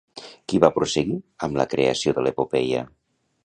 Qui va prosseguir amb la creació de l'epopeia?